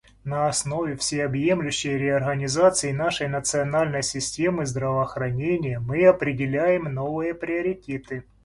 На основе всеобъемлющей реорганизации нашей национальной системы здравоохранения мы определяем новые приоритеты.